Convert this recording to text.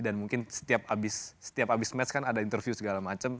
dan mungkin setiap abis match kan ada interview segala macam